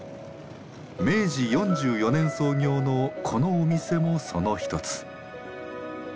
明治４４年創業のこのお店もその一つ。